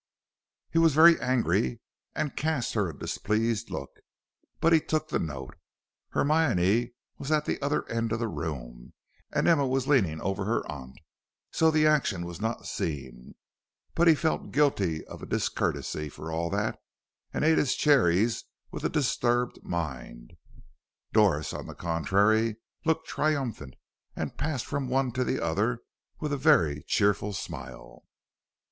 He was very angry, and cast her a displeased look, but he took the note. Hermione was at the other end of the room, and Emma was leaning over her aunt, so the action was not seen; but he felt guilty of a discourtesy for all that, and ate his cherries with a disturbed mind. Doris, on the contrary, looked triumphant, and passed from one to the other with a very cheerful smile.